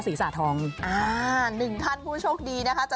เกิดวันอังคารที่๗กันยายน๒๕๒๕นะคะ